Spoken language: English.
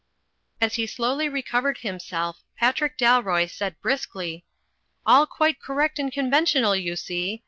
As he slowly recovered himself Patrick Dalroy said briskly, "AH quite correct and conventional, you see.